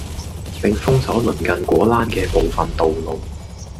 並封鎖鄰近果欄嘅部分道路